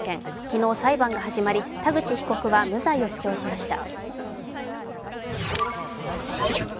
昨日裁判が始まり田口被告は無罪を主張しました。